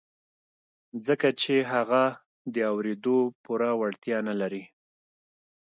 ځکه چې هغه د اورېدو پوره وړتيا نه لري.